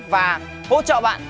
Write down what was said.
và hỗ trợ bạn